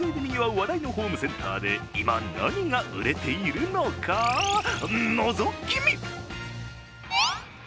話題のホームセンターで今、何が売れているのか、のぞき見。